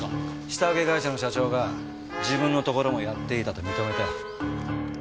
下請け会社の社長が自分のところもやっていたと認めたよ。